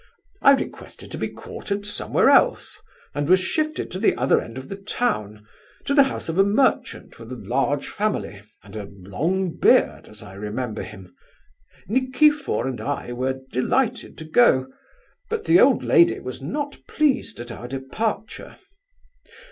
I requested to be quartered somewhere else, and was shifted to the other end of the town, to the house of a merchant with a large family, and a long beard, as I remember him. Nikifor and I were delighted to go; but the old lady was not pleased at our departure.